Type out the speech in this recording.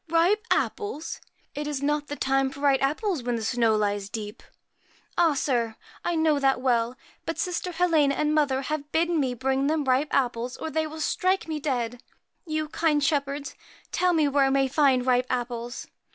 * Ripe apples ! It is not the time for ripe apples, when the snow lies deep ?' 'Ah, sir ! I know that well ; but sister Helena and mother have bidden me bring them ripe apples, or they will strike me dead. You, kind shepherds, tell me where I may find ripe apples.'